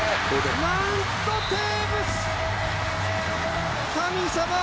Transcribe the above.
なんとテーブス！